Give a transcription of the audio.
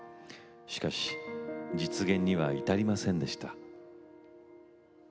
しかし、実現には至りませんでした。